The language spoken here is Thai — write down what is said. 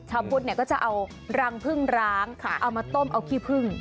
พุทธก็จะเอารังพึ่งร้างเอามาต้มเอาขี้พึ่ง